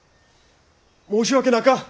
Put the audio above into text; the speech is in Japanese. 申し訳なか！